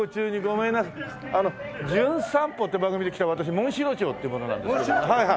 『じゅん散歩』って番組で来た私モンシロチョウっていう者なんですけども。